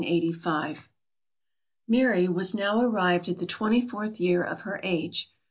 III. 1783 1785. Mary was now arrived at the twenty fourth year of her age.